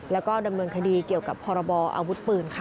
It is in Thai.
แล้วก็ดำเนินคดีเกี่ยวกับพรบออาวุธปืนค่ะ